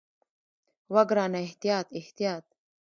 وه ګرانه احتياط احتياط.